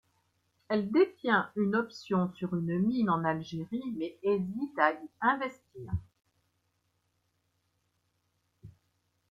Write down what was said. Elle détient une option sur une mine en Algérie mais hésite à y investir.